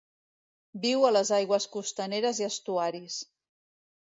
Viu a les aigües costaneres i estuaris.